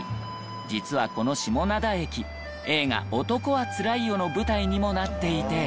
実はこの下灘駅映画『男はつらいよ』の舞台にもなっていて。